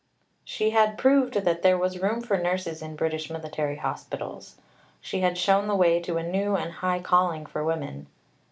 She had proved that there was room for nurses in British military hospitals. She had shown the way to a new and high calling for women.